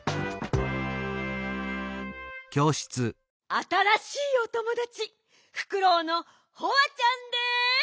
あたらしいおともだちフクロウのホワちゃんです！